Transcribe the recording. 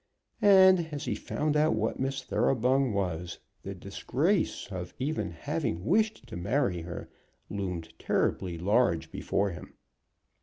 And, as he found out what Miss Thoroughbung was, the disgrace of even having wished to marry her loomed terribly large before him.